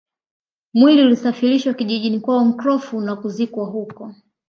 Mwili ulisafirishwa kijijini kwao Nkrofu na kuzikwa huko